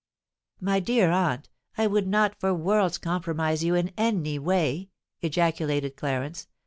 "My dear aunt, I would not for worlds compromise you in any way!" ejaculated Clarence.